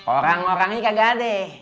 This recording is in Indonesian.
orang orangnya kagak ada